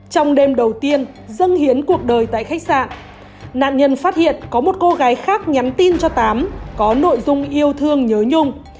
trong đêm đầu tiên dâng hiến cuộc đời tại khách sạn nạn nhân phát hiện có một cô gái khác nhắn tin cho tám có nội dung yêu thương nhớ nhung